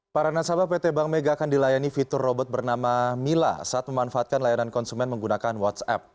para nasabah pt bank mega akan dilayani fitur robot bernama mila saat memanfaatkan layanan konsumen menggunakan whatsapp